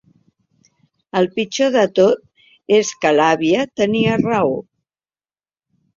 El pitjor de tot és que l'àvia tenia raó.